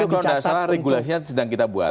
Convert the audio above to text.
kalau tidak salah regulasinya sedang kita buat